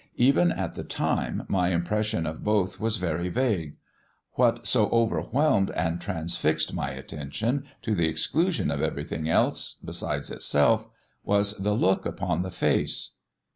Even at the time my impression of both was very vague; what so overwhelmed and transfixed my attention, to the exclusion of everything besides itself, was the look upon the face."